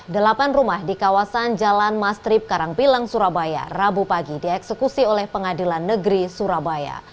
delapan rumah di kawasan jalan mastrip karangpilang surabaya rabu pagi dieksekusi oleh pengadilan negeri surabaya